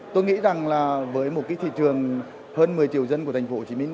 tôi nghĩ rằng là với một cái thị trường hơn một mươi triệu dân của thành phố hồ chí minh